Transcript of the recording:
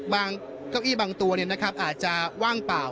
บางเก้าอี้บางตัวเนี่ยนะครับอาจจะว่างเปล่า